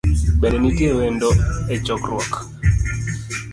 Bende nitie wendo e chokruok?